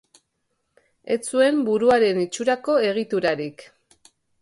Ez zuen buruaren itxurako egiturarik.